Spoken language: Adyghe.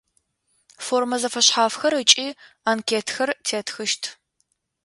Формэ зэфэшъхьафхэр ыкӏи анкетхэр тетхыщт.